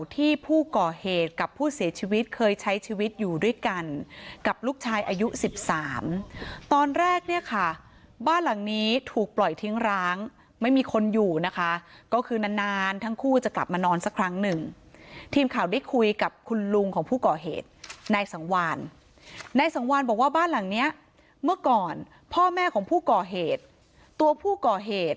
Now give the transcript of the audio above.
ที่ผู้ก่อเหตุกับผู้เสียชีวิตเคยใช้ชีวิตอยู่ด้วยกันกับลูกชายอายุสิบสามตอนแรกเนี่ยค่ะบ้านหลังนี้ถูกปล่อยทิ้งร้างไม่มีคนอยู่นะคะก็คือนานนานทั้งคู่จะกลับมานอนสักครั้งหนึ่งทีมข่าวได้คุยกับคุณลุงของผู้ก่อเหตุนายสังวานนายสังวานบอกว่าบ้านหลังเนี้ยเมื่อก่อนพ่อแม่ของผู้ก่อเหตุตัวผู้ก่อเหตุ